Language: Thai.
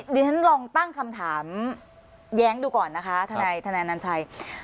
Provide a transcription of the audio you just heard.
ดิฉันลองตั้งคำถามแย้งดูก่อนนะคะทนายอนัญชัย